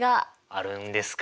あるんですか？